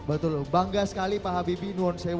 betul bangga sekali pak habibie